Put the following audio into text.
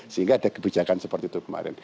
sehingga ada kebijakan seperti itu kemarin